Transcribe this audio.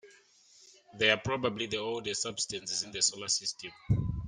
They are probably the oldest substances in the Solar System.